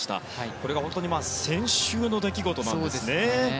これが先週の出来事なんですね。